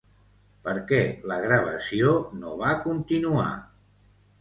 Per què la gravació no va continuar?